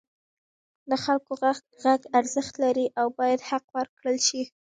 د خلکو غږ ارزښت لري او باید حق ورکړل شي.